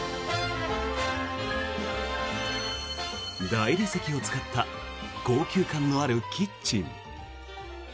大理石を使った高級感のあるキッチン。